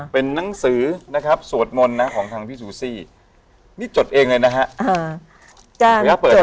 เป็นหนังสือนะครับสวดมนต์นะของทางพี่ซูซี่นี่จดเองเลยนะฮะ